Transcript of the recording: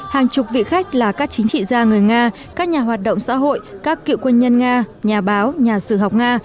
hàng chục vị khách là các chính trị gia người nga các nhà hoạt động xã hội các cựu quân nhân nga nhà báo nhà sử học nga